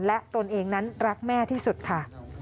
และตนเองนั้นรักแม่ที่สุดค่ะ